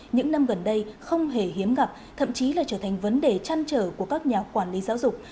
những năm gần đây không hề hiếm gặp thậm chí là trở thành vấn đề trăn trở của các nhà quản lý giáo dục